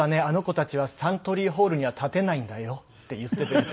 あの子たちはサントリーホールには立てないんだよ」って言ってて。